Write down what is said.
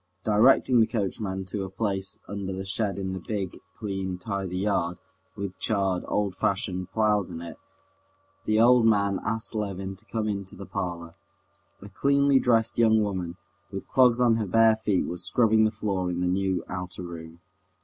Directing the coachman to a place under the shed in the big, clean, tidy yard, with charred, old fashioned ploughs in it, the old man asked Levin to come into the parlor. A cleanly dressed young woman, with clogs on her bare feet, was scrubbing the floor in the new outer room.